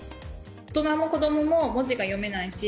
大人も子供も文字が読めないし